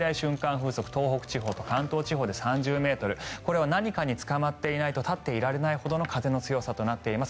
風速は東北地方と関東地方で３０ｍこれは何かにつかまっていないと立っていられないほどの風の強さとなっています。